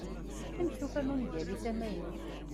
Amek tufamt ungal-is amaynut?